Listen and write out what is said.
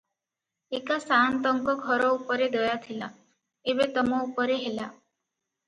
ଏକା ସାଆନ୍ତଙ୍କ ଘର ଉପରେ ଦୟା ଥିଲା, ଏବେ ତମ ଉପରେ ହେଲା ।